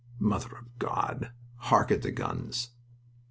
"Mother of God, hark at the guns!"